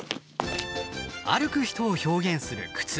歩く人を表現する靴。